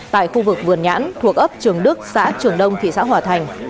tại khu vực vườn nhãn thuộc ấp trường đức xã trường đông thị xã hòa thành